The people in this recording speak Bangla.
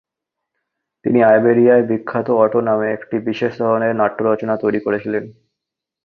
তিনি আইবেরিয়ায় বিখ্যাত অটো নামে একটি বিশেষ ধরনের নাট্য রচনা তৈরি করেছিলেন।